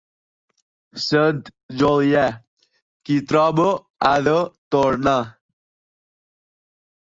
Sant Julià, qui troba ha de tornar.